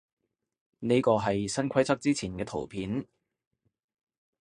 呢個係新規則之前嘅圖片